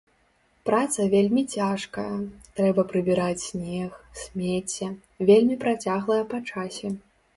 Праца вельмі цяжкая, трэба прыбіраць снег, смецце, вельмі працяглая па часе.